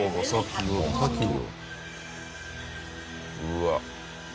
うわっ。